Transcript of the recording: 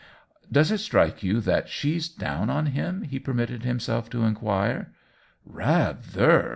"Does it strike you that she^s down on him ?" he permitted himself to inquire. " Rather